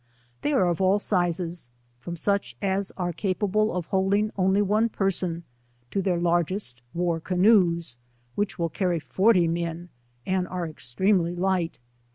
They are of all sizes^ from such as are capable of holding only one per son to their ^largest war canoes, which will carry forty men, and are extremely light.